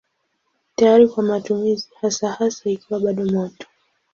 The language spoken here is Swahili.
Tayari kwa matumizi hasa hasa ikiwa bado moto.